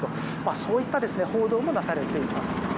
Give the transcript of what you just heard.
そういった報道もなされています。